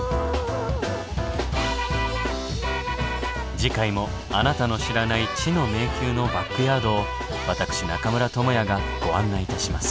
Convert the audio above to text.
次回もあなたの知らない知の迷宮のバックヤードを私中村倫也がご案内いたします。